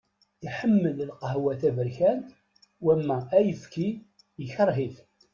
Iḥemmel lqahwa taberkant, wama ayefki ikreh-ih.